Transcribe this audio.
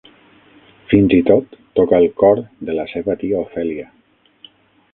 Fins i tot toca el cor de la seva tia Ophelia.